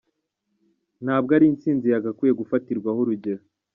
Ntabwo ari intsinzi yagakwiye gufatirwaho urugero.